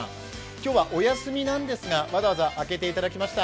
今日はお休みなんですがわざわざ開けていただきました。